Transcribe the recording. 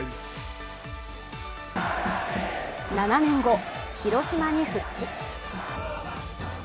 ７年後、広島に復帰。